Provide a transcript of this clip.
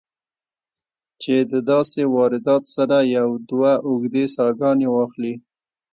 چې د داسې واردات سره يو دوه اوږدې ساهګانې واخلې